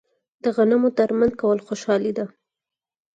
د غنمو درمند کول خوشحالي ده.